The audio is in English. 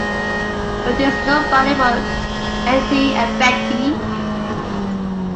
But it was nobody but Hettie and Betty.